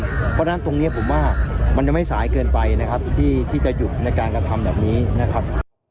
เพราะฉะนั้นตรงนี้ผมว่ามันยังไม่สายเกินไปนะครับที่จะหยุดในการกระทำแบบนี้นะครับ